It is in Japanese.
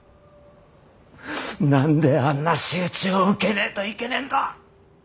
何であんな仕打ちを受けねえといけねえんだ。